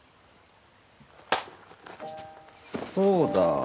そうだ。